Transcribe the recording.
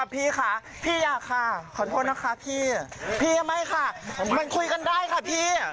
ปัญหากันพอแล้วพี่